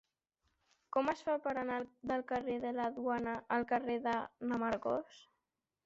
Com es fa per anar del carrer de la Duana al carrer de n'Amargós?